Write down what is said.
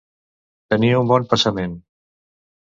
Tenir un bon passament.